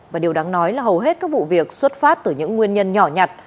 và điều đáng nói là hầu hết các vụ việc xuất phát từ những nguyên nhân nhỏ nhặt